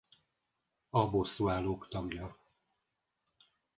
A Bosszúállók tagja.